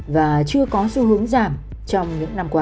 và chưa có xu hướng giảm trong những năm qua